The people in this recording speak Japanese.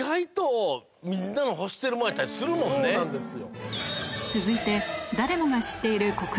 そうなんですよ。